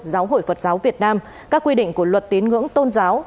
giáo hội phật giáo việt nam các quy định của luật tín ngưỡng tôn giáo